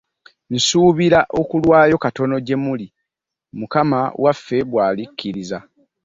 Nsuubira okulwayo katono gye muli, Mukama waffe bw'alikkiriza.